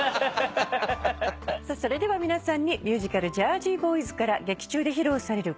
それでは皆さんにミュージカル『ジャージー・ボーイズ』から劇中で披露される